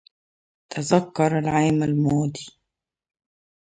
تذكر العام الماضي.